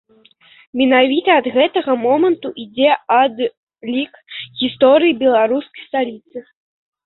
Менавіта ад гэтага моманту ідзе адлік гісторыі беларускай сталіцы.